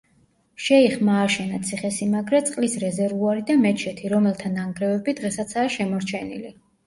შეიხმა ააშენა ციხესიმაგრე, წყლის რეზერვუარი და მეჩეთი, რომელთა ნანგრევები დღესაცაა შემორჩენილი.